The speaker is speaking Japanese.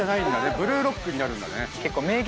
「ブルーロック」になるんだね。